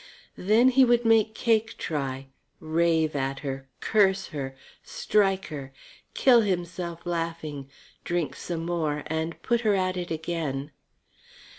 Then he would make Cake try, rave at her, curse her, strike her, kill himself laughing, drink some more and put her at it again.